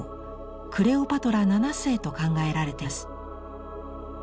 クレオパトラ７世と考えられています。